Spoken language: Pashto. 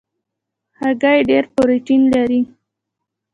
هګۍ ډېره پروټین لري.